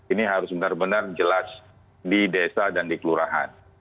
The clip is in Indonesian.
ini harus benar benar jelas di desa dan di kelurahan